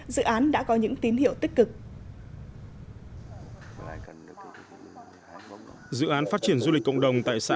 dự án đã có những tín hiệu tích cực dự án phát triển du lịch cộng đồng tại xã